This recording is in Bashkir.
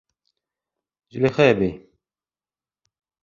Зөләйха әбей: